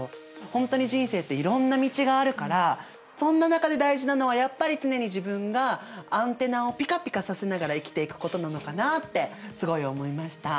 本当に人生っていろんな道があるからそんな中で大事なのはやっぱり常に自分がアンテナをピカピカさせながら生きていくことなのかなってすごい思いました。